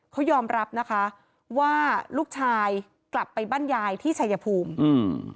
เขายอมรับนะคะว่าลูกชายกลับไปบ้านยายที่ชายภูมิอืม